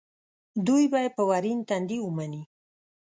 دوی به یې په ورین تندي ومني.